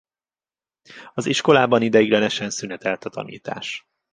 Az iskolában ideiglenesen szünetelt a tanítás.